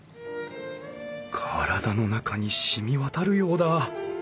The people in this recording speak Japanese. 体の中にしみ渡るようだ。